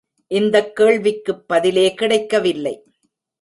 இந்தக் கேள்விக்குப் பதிலே கிடைக்கவில்லை.